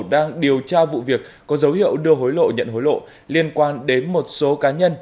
đang điều tra vụ việc có dấu hiệu đưa hối lộ nhận hối lộ liên quan đến một số cá nhân